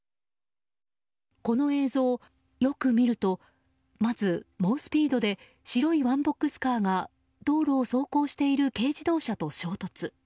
この映像、よく見るとまず猛スピードで白いワンボックスカーが道路を走行している軽自動車と衝突。